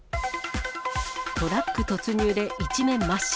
トラック突入で一面真っ白。